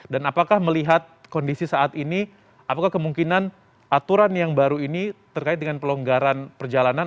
dan apakah melihat kondisi saat ini apakah kemungkinan aturan yang baru ini terkait dengan pelonggaran perjalanan